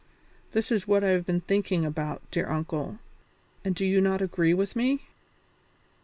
This is what I have been thinking about, dear uncle, and do you not agree with me?"